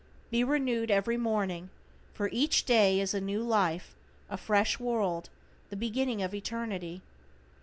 Be renewed every morning, for each day is a new life, a fresh world, the beginning of eternity.